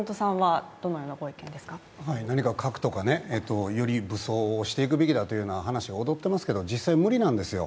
何か核とか、より武装をすべきだという話が踊っていますけれども、実際無理なんですよ。